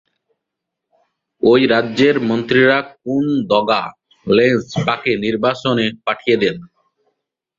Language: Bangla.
ঐ বছর রাজ্যের মন্ত্রীরা কুন-দ্গা'-লেগ্স-পাকে নির্বাসনে পাঠিয়ে দেন।